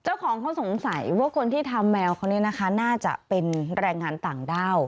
เจ้าของเขาสงสัยว่าคนที่ทำแมวเขาเนี่ยนะคะน่าจะเป็นแรงงานต่างด้าว